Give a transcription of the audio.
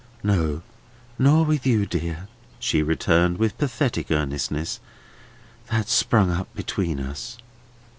"No, nor with you, dear," she returned, with pathetic earnestness. "That sprung up between us.